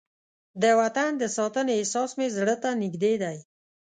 د وطن د ساتنې احساس مې زړه ته نږدې دی.